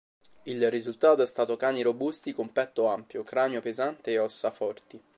Il risultato è stato cani robusti con petto ampio, cranio pesante e ossa forti.